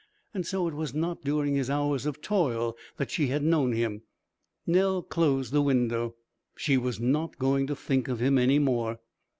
And so it was not during his hours of toil that she had known him.... Nell closed the window. She was not going to think of him any more.